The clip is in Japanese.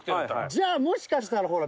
じゃあもしかしたらほら。